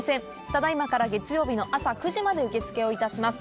ただいまから月曜日のあさ９時まで受付を致します